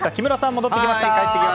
帰ってきました。